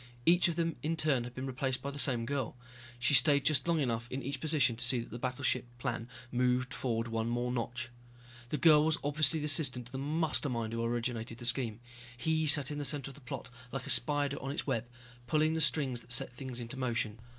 Each of them in turn had been replaced by the same girl. She stayed just long enough in each position to see that the battleship plan moved forward one more notch. This girl was obviously the assistant to the Mastermind who originated the scheme. He sat in the center of the plot, like a spider on its web, pulling the strings that set things into motion.